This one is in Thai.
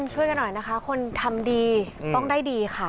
ช่วยกันหน่อยนะคะคนทำดีต้องได้ดีค่ะ